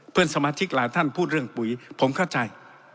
เพื่อนสมาชิกหลายท่านพูดเรื่องปุ๋ยผมเข้าใจ